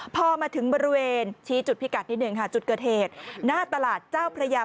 พอมาถึงบริเวณชี้จุดพิกัดนิดหนึ่งค่ะจุดเกิดเหตุหน้าตลาดเจ้าพระยา